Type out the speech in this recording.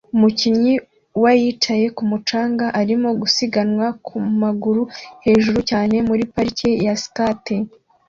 Umukinnyi wa yicaye kumu canga arimo gusiganwa ku maguru hejuru cyane muri parike ya skate